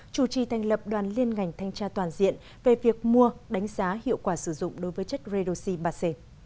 chủ trì thành lập đoàn liên ngành thanh tra toàn diện về việc mua đánh giá hiệu quả sử dụng đối với chất redoxi ba c